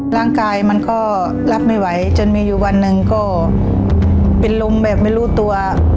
ร่างกายมันก็รับไม่ไหวจนมีอยู่วันหนึ่งก็เป็นลมแบบไม่รู้ตัว